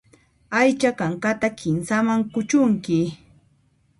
Aycha kankata kinsaman kuchunki.